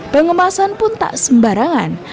pengemasan pun tak sembarangan